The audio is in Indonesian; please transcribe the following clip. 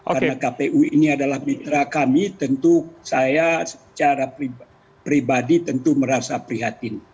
karena kpu ini adalah mitra kami tentu saya secara pribadi tentu merasa prihatin